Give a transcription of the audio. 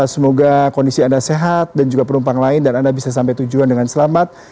semoga kondisi anda sehat dan juga penumpang lain dan anda bisa sampai tujuan dengan selamat